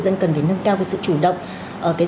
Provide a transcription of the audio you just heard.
dân cần phải nâng cao cái sự chủ động